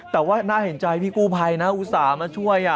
แต่ว่าน่าเห็นใจพี่กู้ภัยนะอุตส่าห์มาช่วย